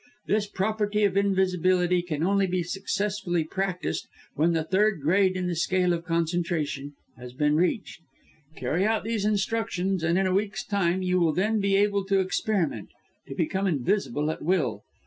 This property of invisibility can only be successfully practised, when the third grade in the scale of concentration has been reached. Carry out these instructions, and, in a week's time, you will then be able to experiment to become invisible at will.